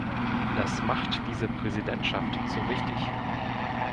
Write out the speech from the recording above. Das macht diese Präsidentschaft so wichtig.